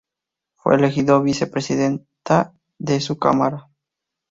Fue elegido vicepresidente de su Cámara.